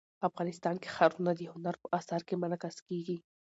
افغانستان کې ښارونه د هنر په اثار کې منعکس کېږي.